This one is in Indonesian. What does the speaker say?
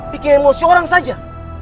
bikin emosi orang saja